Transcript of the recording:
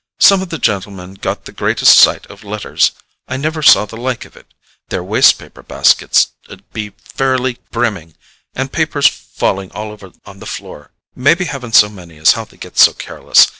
Some of the gentlemen got the greatest sight of letters: I never saw the like of it. Their waste paper baskets 'd be fairly brimming, and papers falling over on the floor. Maybe havin' so many is how they get so careless.